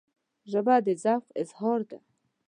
ژبه د ذوق اظهار ده